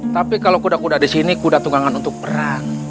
tapi kalau kuda kuda di sini kuda tunggangan untuk perang